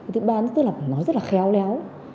thứ ba nó rất là khéo léo